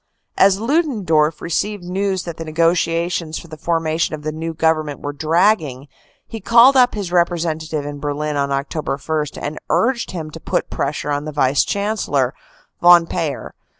"As LudendorfT received news that the negotiations for the formation of the new Government were dragging, he called up his representative in Berlin on Oct. 1, and urged him to put pressure on the Vice Chancellor, Von Payer.